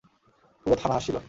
পুরো থানা হাসছিল।